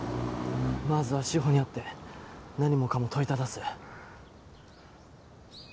まずは志法に会って何もかも問いただす。